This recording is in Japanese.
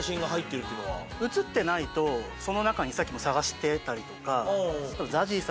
写ってないとその中にさっきも探してたりとか。